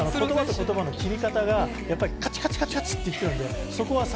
言葉と言葉の切り方がカチカチカチって。